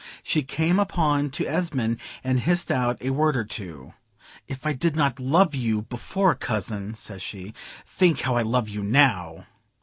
She came up to Esmond and hissed out a word or two: "If I did not love you before, cousin," says she, "think how I love you now."